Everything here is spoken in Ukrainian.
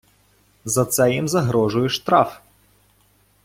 За це їм загрожує штраф.